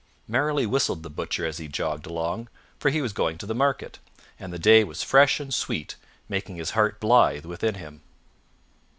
Merrily whistled the Butcher as he jogged along, for he was going to the market, and the day was fresh and sweet, making his heart blithe within him.